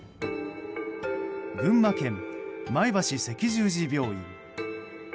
群馬県、前橋赤十字病院。